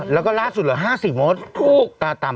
แล้วก็ล่าสุดหรือ๕๐โมตต่ำมาก